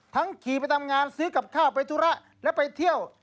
ขี่ไปทำงานซื้อกับข้าวไปธุระและไปเที่ยว